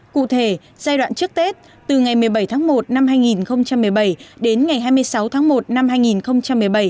cụ thể giai đoạn trước tết từ ngày một mươi bảy tháng một năm hai nghìn một mươi bảy đến ngày hai mươi sáu tháng một năm hai nghìn một mươi bảy